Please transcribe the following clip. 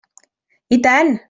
I tant!